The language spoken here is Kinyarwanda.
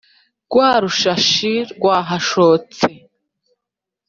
Rwa rushashi rwahashotse,